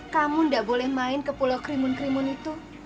kamu tidak boleh main ke pulau krimun krimun itu